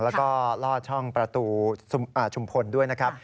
แล้วก็ลอดช่องประตูชุมพลด้วยนะครับ